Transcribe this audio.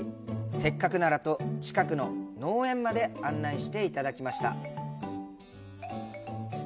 せっかくならと近くの農園まで案内していただきました。